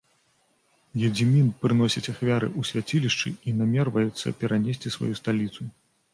Гедзімін прыносіць ахвяры ў свяцілішчы і намерваецца перанесці сваю сталіцу.